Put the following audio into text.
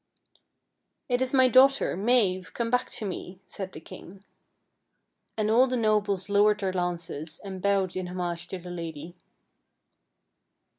" It is my daughter, Have, come back to me," said the king. And all the nobles lowered their lances, and bowed in homage to the lady.